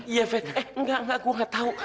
iya fer eh enggak enggak gua gak tau